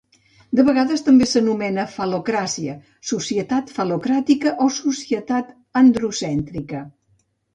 De vegades també s'anomena fal·locràcia, societat fal·locràtica o societat androcèntrica.